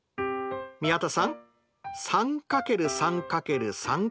宮田さん。